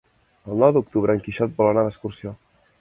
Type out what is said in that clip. El nou d'octubre en Quixot vol anar d'excursió.